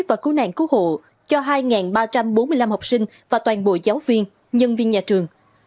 và cứu nạn cứu hộ cho hai ba trăm bốn mươi năm học sinh và toàn bộ giáo viên nhân viên nhà trường